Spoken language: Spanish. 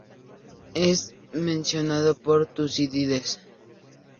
Es mencionado por Tucídides.